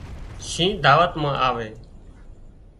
شينهن دعوت مان آوي